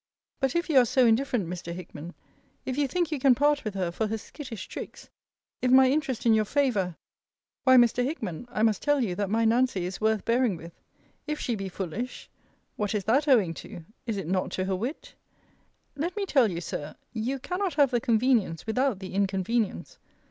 But if you are so indifferent, Mr. Hickman if you think you can part with her for her skittish tricks if my interest in your favour Why, Mr. Hickman, I must tell you that my Nancy is worth bearing with. If she be foolish what is that owing to? Is it not to her wit? Let me tell you, Sir, you cannot have the convenience without the inconvenience.